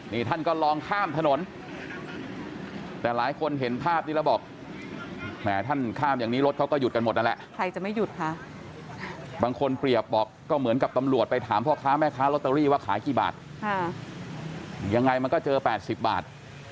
นี่ท่านก็ลองข้ามถนนแต่หลายคนเห็นภาพนี้แล้วบอก